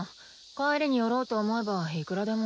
帰りに寄ろうと思えばいくらでも。